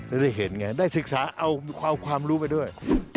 ได้เห็นไงได้ศึกษาเอาความรู้ไปด้วย